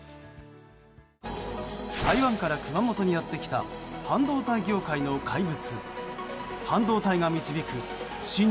台湾から熊本にやってきた半導体業界の怪物。